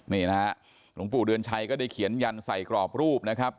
นี่นะฮะหลวงปู่เดือนชัยก็ได้เขียนยันใส่กรอบรูปนะครับ